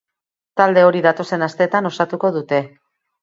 Talde hori datozen asteetan osatuko dute.